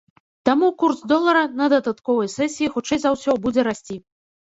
Таму курс долара на дадатковай сесіі, хутчэй за ўсё, будзе расці.